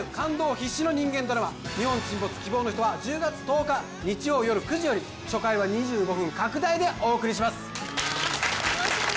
必至の人間ドラマ「日本沈没−希望のひと−」は１０月１０日日曜夜９時より初回は２５分拡大でお送りします